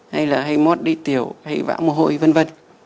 hay là hay mốt đi tiểu hay vã mồ hôi v v